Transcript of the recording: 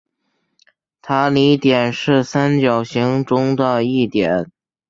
塔里点是三角形中的一点。